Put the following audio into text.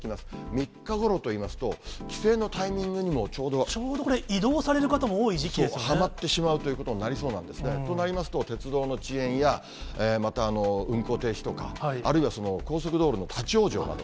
３日ごろといいますと、帰省のタちょうどこれ、はまってしまうということになりそうなんですね。となりますと、鉄道の遅延や、また運行停止とか、あるいは高速道路の立往生など。